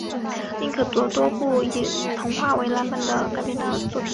另可指多部以童话为蓝本改编的作品